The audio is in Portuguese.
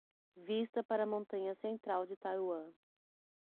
Vista para a montanha central de Taiwan